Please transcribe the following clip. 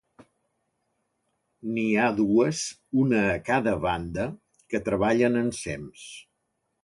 N'hi ha dues, una a cada banda, que treballen ensems.